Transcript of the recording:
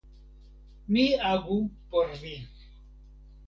Mi agu por vi.